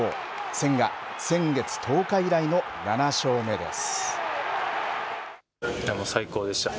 千賀、先月１０日以来の７勝目です。